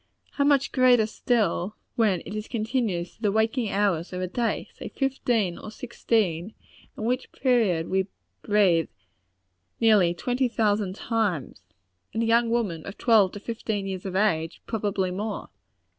How much greater still, when it is continued through the waking hours of a day, say fifteen or sixteen in which period we breathe nearly twenty thousand times and a young woman of twelve to fifteen years of age, probably more!